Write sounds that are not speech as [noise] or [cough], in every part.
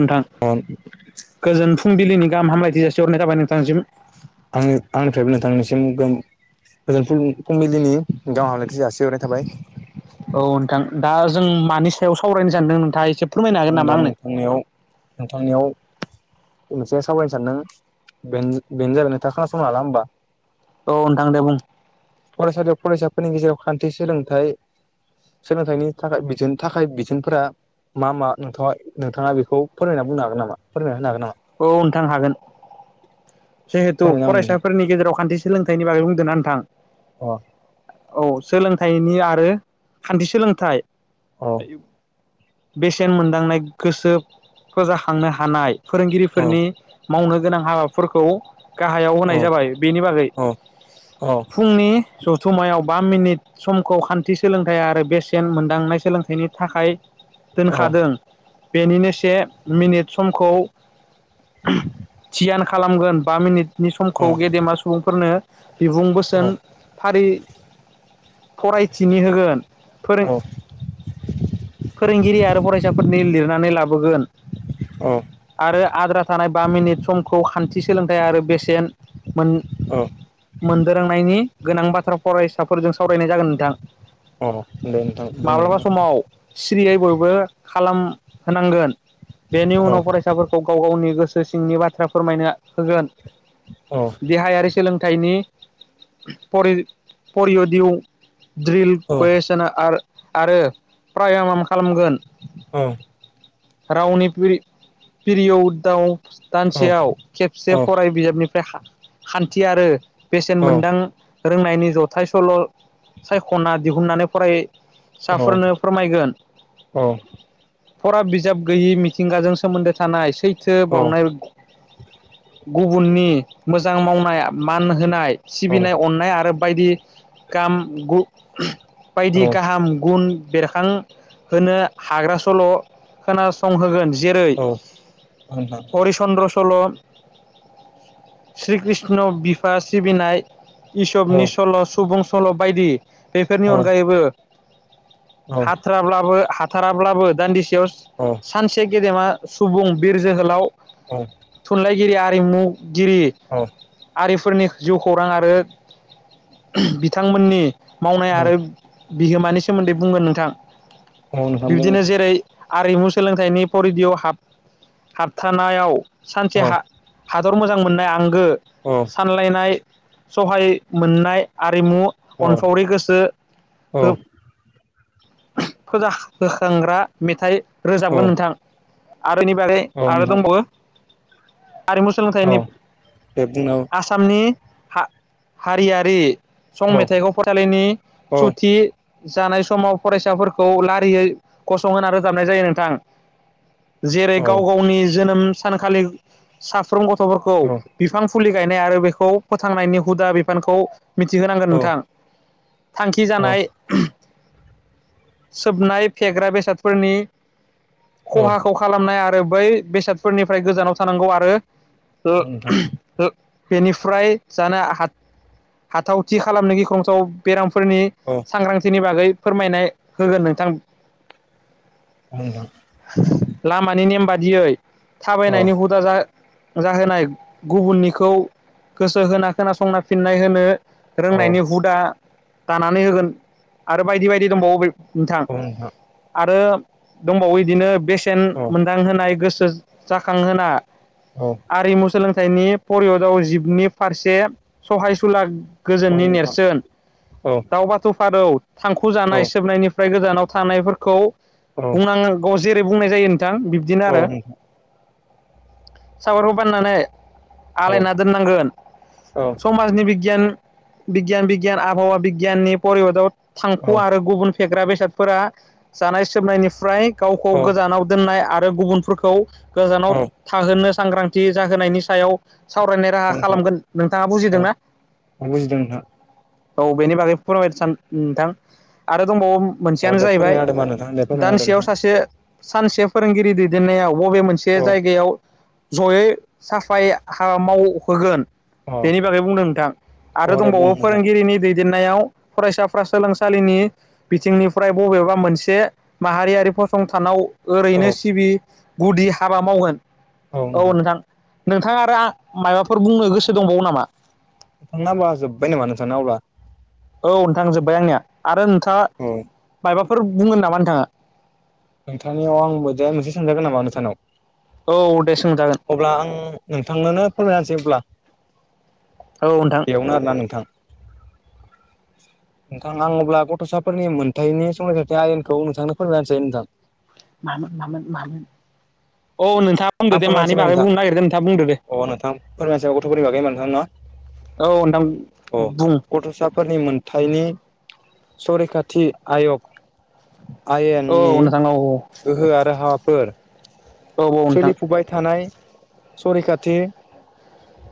नोंथां अ गोजोन फुंबिलिनि गाहाम हामलायथि जासिहरनाय थाबाय नोंथांसिम। आं आंनिफ्रायबो नोथांनिसिम गोजोन फुं फुंबिलिनि गाहाम हामलायथि जासिहरनाय थाबाय [inaudible] औ नोंथां दा जों माने थआव सावरायनो सानदों नोंथिंआ एसे फोरमायनो हागोन आं नामा दा आंनो नोंथांनियाव नोंथांनियाव मोनसे सावरायनो सानदों बे बेनो आरो ना नोंथाङा खोनासंनो हाला होमबा? औ नोंथां दे बुं। फरायसालियाव फरायसाफोरनि गेजेराव खान्थि सोलोंथाइ सोलोंथाइनि थाखाय बिथोनि थाखाय बिथोनफोरा मा मा? नोंथाङा नोंथाङा बेखौ फरायना बुंनो हागोन नामा फरायना होनो हागोन नामा? औ नोंथां हागोन जिहेथु फोरमायना हो नोंथां फरायसाफोरनि गेजेराव खान्थि सोलोंथाइनि बागै बुंदोंना नोंथां? अ औ सोलोंथाइनि आरो खान्थि सोलोंथाइ अ बेसेन मोनदांनाय गोसो फोजाखांनो हानाय अ फोरोंगिरिफोरनि मावनो गोनां हाबाफोरखौ गाहायाव अ होनाय जाबाय बेनि बागै अ फुंनि दस समायाव बा मिनिट समखौ खान्थि सोलोंथाइ आरो बेसेन मोनदांनाय सोलोंथाइनि थाखाय अ दोनखादों। बेनिनो से मिनिट समखौ [unintelligible] थियान खालामगोन बा मिनिटनि अ अ समखौ गेदेमा सुबुंफोरनो बिबुं बोसोन फारि फरायथिनि होगोन फोरों फोरोंगिरि आरो फरायसाफोरनि लिरनानै ला बोगोन अ आरो आद्रा थानाय बा मिनिट सम थि सोलोंथाइ आरो बेसेन मोन अ मोनदोरोंनायनि गोनां बाथ्रा फरायसाफोरजों सावरायनाय जागोन नोंथां। अ दे नोंथां बुंलां माब्लाबा समाव सिरियै बयबो खालाम होनांगोन बेनि अ उनाव फरायसाफोरखौ गाव गावनि गोसो सिंनि बाथ्रा फोरमायनो होगोन अ देहायारि सोलोंथाइनि [unintelligible] परि परियदिउ ड्रिल अ गय सन आर आरो प्रायामाम खालामगोन। औ। रावनि फिरि फिरिय दाउ अ थिआव औ खेबसे फराय बिजाबनिफ्राय खा खान्थि आरो बेसेन मोनदां रोंनायनि जथाय सल' सायख'ना दिहुननानै फराय साफोरनो फोरमायगोन। औ फरा बिजाब गैयि मिथिंगाजों सोमोन्दो थानाय सैथो औ बावनाय गुबुननि मोजां मावनाय मान होनाय सिबिनाय अननाय आरो बायदि गाम गु [unintelligible] औ बायदि गाहाम गुन बेरखांहोनो हाग्रा सल' खोनासंहोगोन। जेरै औ नोंथां हरिचन्द्र सल' श्री कृष्ण बिफा सिबिनाय औ इसबनि सल' सुबुं सल' बायदि बेफोरनि औ अनगायैबो औ हाथ्राब्लाबो हाथाराब्लाबो दान्दिसेयाव सानसे गेदेमा सुबुं बिर जोहोलाव औ। थुनलाइगिरि आरिमुगिरि औ आरि फोरनि जिउ खौरां आरो बिथांमोननि मावनाय आरो बिहोमानि सोमोन्दै बुंगोन नोंथां। औ नोंथां बुं बिब्दिनो जेरै आरिमु सोलोंथाइनि परिदिय' हाब हाबथानायाव औ सानसे हा दर मोजां मोननाय आंगो औ सानलायनाय सहाय मोननाय आ रिमु औ अनफावरि गोसो औ हो फुजा होखांग्रा मेथाइ औ रोजाबगोन नोंथां। आरोनि बिनि बागै आरो नोंथां दंबावो आरिमु औ सोलोंथाइनि दे बुंना आसामनि हा-हारियारि सं औ मेथायाइखौ फरायसालिनि औ सुथि जानाय समाव फरायसाफोरखौ लारियै गसंहोना रोजाबनाय जायो नोंथां। जेरै गाव गावनि जोनोम सानखालि साफ्रोम गथ'फोरखौ औ बिफां फुलि गायनाय आरो बेखौ फोथांनायनि हुदा बिफानखौ मिथिहोनांगोन औ नोंथां। थांखि जानाय नोंथां सोबनाय फेग्रा बेसादफोरनि औ खहाखौ खालामनाय आरो बै बेसादफोरनिफ्राय गोजानाव थानांगौ आरो ओ नोंथां ओ बेनिफ्राय जानो हा-हाथावथि खालामनो गिखंथाव बेराम फोरनि औ सांग्रांथिनि बागै फोरमायनाय होगोन नोंथां। बुंलां। लामानि नेम बादियै थाबायनायनि हुदा जा जाहोनाय गुबुननिखौ गोसो होना खोनासंना फिननाय होनो औ औ रोंनायनि हुदा दानानै होगोन आरो बायदि बायदि दंबावो नोंथां औ नोंथां औ आरो दंबावो इदिनो बेसेन औ औ मोनदां होनाय गोसो जाखांहोना आरिमु सोलोंथाइनि परियदआव जिबनि फारसे सहायसुला औ गोजोननि नोंथां नेरसोन दाउ बाथौ फारौ थांखु जानाय औ सोबनायनिफ्राय गोजानाव थानायफोरखौ औ औ बुंनांगौ जेरै बुंनाय जायो नोंथां बिब्दिनो आरो। सावरबो बाननानै आलायना दोननांगोन समाजनि बिगियान बिगियान बिगियान आबहावा बिगियाननि परिय'दाव थांखु' आरो गुबुन फेग्रा बेसादफोरा जानाय सोबनायनिफ्राय गावखौ गोजानाव दोननाय आरो गुबुनफोरखौ गोजानाव थाहोनो सांग्रांथि जाहोनायनि सायाव सावरायनाय राहा नोंथां खालामगोन नोंथाङा औ बुजिदोंना? बुजिदों नोंथां औ बेनि बागै फोरमायनो सान नोंथां आरो दंबावो अ मोनसेयानो दे जाहैबाय फोरमायना होदो होमबा नोंथां दे फोरमायना होदो दानसेयाव नोंथां सासे सानसे फोरोंगिरि दैदेननायाव बबे मोनसे औ जायगायाव जयै साफाय हाबा मावहोगोन। औ बेनि बागै बुंदों नोंथां आरो औ दे बुं दंबावो नोंथां फोरोंगिरिनि दै देननायाव फरायसाफ्रा सोलोंसालिनि बिथिंनिफ्राय बबेबा मोनसे माहारियारि फसंथानाव ओरैनो औ सिबि गुदि हाबा मावगोन औ नोंथां। नोंथांङा आरो आ माबाफोर बुंनो गोसो दंबावो नामा? नोंथांना ओमबा जोब्बाय नामा नोंथांना अब्ला? औ नोंथां जोबबाय आंनिया आरो नोंथाङा औ मायबाफोर बुंगोन नामा नोंथांङा? नोंथांनियाव आं मोजाय मोनसे सोंजागोन नामा नोंथांनाव? औ दे सोंजागोन अब्ला आं नोंथांनोनो फोरमायनाहोनोसै अब्ला औ नोंथां बेयावनो आरोना नोंथां। नोंथां आं अब्ला गथ'साफोरनि मोनथायाइनि संरैखाथिनि आयेनखौ नोंथांनो फोरमायनाहोनसै नोंथां। मामोन मामोन मामोन? औ नोंथाङा बुंदो आं दे मानि फोरमायसैमोन बागै नोंथां बुंनो नागिरदों नोंथाङा बुंदो दे अ नोंथां फोरमायसै गथ'फोरनि बागै होमबा नोंथां औ न? नोंथां अ बुं गथ'साफोरनि मोनथायनि सरैकाथि आयग। औ आयेननि नोंथां औ गोहो आरो हाबाफोर औ औ नोंथां सोलिफुबाय थानाय सरैखाथि ।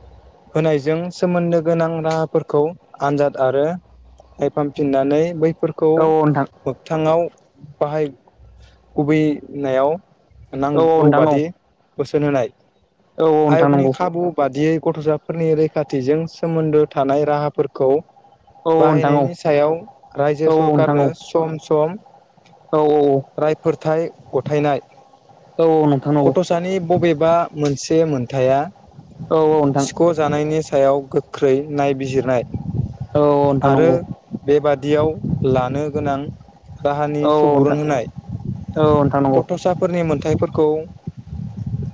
होनायजों सोमोन्दो गोनां राहाफोरखौ आनजाद आरो नायफामफिननानै बै फोरखौ औ मोगथाङाव बाहाय गुबैनायाव औ। नोंथां औ बादि बोसोन होनाय औ नोंथां आयगनि नंगौ खाबु बादियै गथ'साफोरनि रैखाथिजों सोमोन्दो थानाय राहाफोरखौ औ नोंथां औ बाहायनायनि सायाव रायजो औ नोंथां औ सरखारनो सम सम औ रायफोरथाय गथायनाय। औ नोंथां नंगौ गथ'सानि बबेबा मोनसे मोनथाया औ नोंथां औ सिख'जानायनि सायाव गोख्रै नायबिजिर नाय औ नोंथां आरो नंगौ बेबादियाव लानो गोनां राहानि औ सुबुरुन होनाय औ नोंथां गथ'साफोरनि मोनथाइफोरख खौ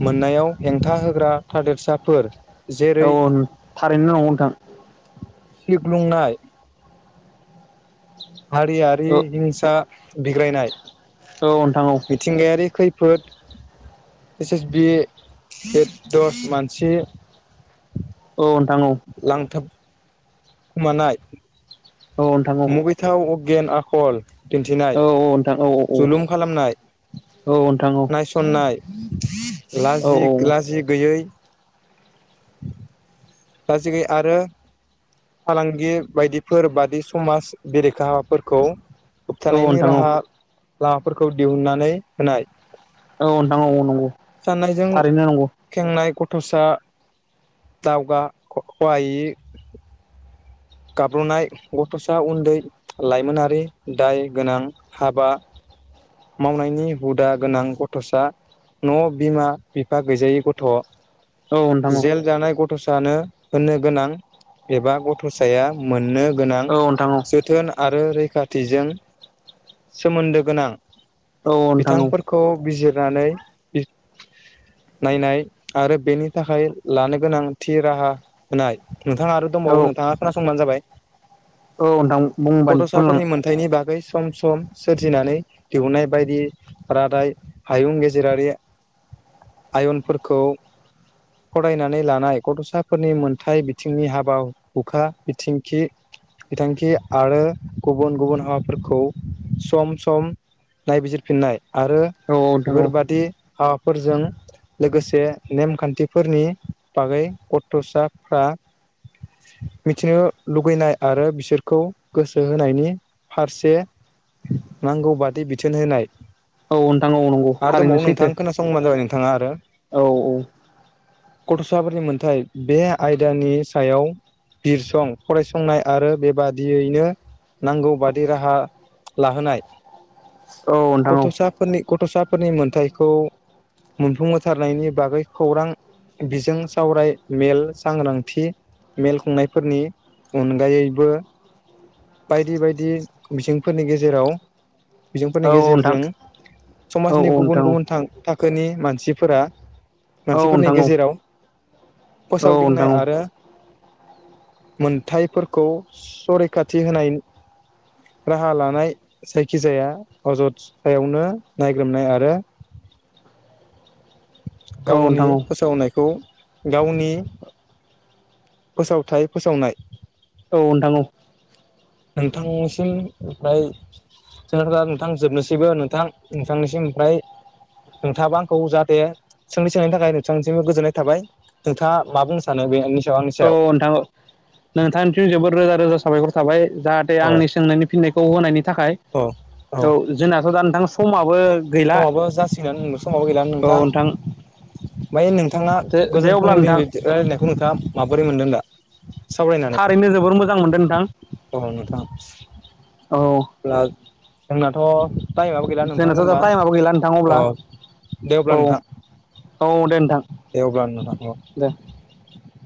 मोननायाव हेंथा होग्रा थादेरसाफोर। जेरै औ थारैनो नंगौ नोंथां। सिग्लुंनाय हारियारि हिंसा बिग्रायनाय। औ नोंथां औ। मिथिंगायारि खैफोद एस एस बि दस मानसि औ नोंथां औ लांथाब खुमानाय नोंथां औ मुगैथाव अगेन आखल औ दिन्थिनाय नोंथां औ नोंथां औ नोंथां औ नोंथां जलुम खालामनाय। औ नायसननाय लाजि औ नोंथां औ लाजि गैयै लाजिगैयै आरो फालांगि बायदिफोर बादि समाज बेरेखा हाबाफोरखौ होबथानायनि राहा लामाफोरखौ दिहुननानै होनाय। नंगौ जाननायजों थारैनो नंगौ खेंनाय गथ' दस्रा दावगा खहायि गाब्रनाय गथ'सा उन्दै लाइमोनारि दाय गोनां हाबा मावनायनि हुदा गोनां गथ'सा न' बिमा बिफा गैजायै गथ'। औ नोंथां औ जेल जानाय गथ'सानो होननो गोनां एबा गथ'साया मोननो गोनां औ नोंथां औ जोथोन आरो रैख थिजों सोमोन्दो गोनां औ नोंथां औ बिथांफोरखौ बिजिर नानै नायनाय आरो बेनि थाखाय लानो गोनां थि राहा होनाय। नोंथाङा आरो औ दंबावो नोंथाङा खोनासंबानो जाबाय। औ नोंथां बुंबानो बुंलां गथसाफोरनि मोनथायनि बागै सम सम सोरजिनानै दिहुननाय बायदि रादाय हायुं गेजेरारि आयनफोरखौ फरायनानै लानाय गथ'साफोरनि मोनथाय बिथिंनि हाबा हुखा बिथिंखि बिथांखि आरो गुबुन गुबुन हाबाफोरखौ सम सम नायबिजिरफिननाय आरो औ नोंथां औ बेफोरबादि हाबाफोरजों लोगोसे नेमखान्थिफोरनि बागै गथ'साफ्रा [unintelligible] मिथिनो लुगैनाय आरो बिसोरखौ गोसो होनायनि फारसे नांगौ बादि बिथोन होनाय औ नोंथां औ नंगौ आरो थारैनो दंबावो सैथो नोंथां खोनासंबानो जाबाय नोंथाङा आरो औ औ गथ'साफोरनि मोनथाय बे आयदानि सायाव बिरसं फरायसंनाय आरो बेबादियैनो नांगौ बादि राहा लाहोनाय औ नोंथां औ गथ'साफोरनि गथ'सा फोरनि मोनथायखौ मोनफुंहोथारनायनि बागै खौरां बिजों सावराय मेल सांग्रांथि मेल खुंनायफोरनि अनगायैबो बायदि बायदि बिथिंफोरनि गेजेराव औ बिजोंफोरनि नोंथां गेजेरजों औ समाजनि औ गुबुन नोंथां गुबुन थां- थाखोनि मानसिफोरा औ मानसिफोरनि नोंथां गेजेराव औ फोसावदिंनाय नोंथां आरो मोनथायफोरखौ संरैखाथि होनाय राहा लानाय जायखिजाया अजद सायावनो नायग्रोमनाय आरो [unintelligible] औ गावनि नोंथां फोसावनायखौ गावनि फोसावथाय फोसावनाय औ नोंथां औ नोंथांनिसिम ओमफ्राय जोङा नोंथां जोबनोसैबो नोंथां नोंथांनिसिम ओमफ्राय नोंथाङाबो आंखौ जाहाथे सोंथि सोंनायनि थाखाय नोंथांनिसिमबो गोजोननाय थाबाय नोंथाङा मा बुंनो सानो बे औ नोंथां नोंथांनिथि जोबोद रोजा रोजा साबायखर थाबाय जाहाथे अ आंनि सोंनायनि फिननायखौ होनायनि थाखाय अ औ जोंनाथ' दा नोंथां समाबो गैला समाबो जासिगोन समाबो गैलानो नोंथां। ओमफ्राय नोंथाङा दे गोजोन अब्ला नोंथां फुंबिलिनि रायलायनायखौ नोंथाङा माबोरै मोनदों दा सावरायनानै थारैनो जोबोर मोजां मोनदों नोंथां। औ नोंथां औ जोङा जोंनाथ' टाइमाबो गैला नोंथां जोंनाथ' दा होमबा टाइमाबो गैला नोंथां अब्ला अ दे औ अब्ला नोंथां औ दे नोंथां एवब्लानो दे नोंथां औ